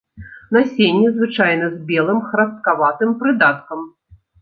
Насенне звычайна з белым храсткаватым прыдаткам.